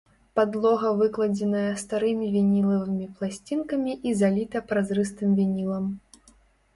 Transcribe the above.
Падлога выкладзеная старымі вінілавымі пласцінкамі і заліта празрыстым вінілам.